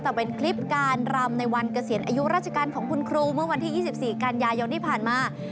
แต่เป็นคลิปการรำในวันเกษียณอายุราชการของคุณครูเมื่อวันที่๒๔กันยายนที่ผ่านมา